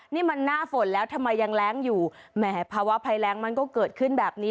นี่มันหน้าฝนแล้วทำไมยังแร้งอยู่แหมภาวะภัยแรงมันก็เกิดขึ้นแบบนี้